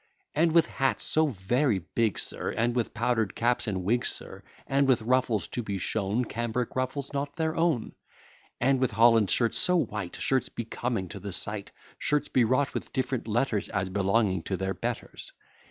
And with hats so very big, sir, And with powder'd caps and wigs, sir, And with ruffles to be shown, Cambric ruffles not their own; And with Holland shirts so white, Shirts becoming to the sight, Shirts bewrought with different letters, As belonging to their betters.